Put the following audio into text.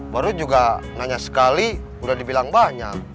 baru juga nanya sekali udah dibilang banyak